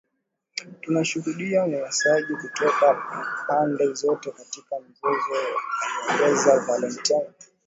Tunashuhudia unyanyasaji kutoka pande zote katika mzozo aliongeza Valentine